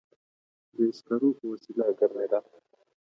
د سکرو په وسیله ګرمېده.